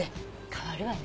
変わるわね。